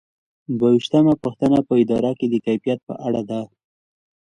دوه ویشتمه پوښتنه په اداره کې د کفایت په اړه ده.